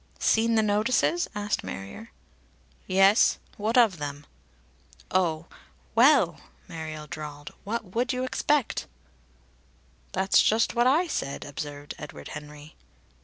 "Seen the notices?" asked Marrier. "Yes. What of them?" "Oh! Well!" Marrier drawled. "What would you expect?" "That's just what I said!" observed Edward Henry.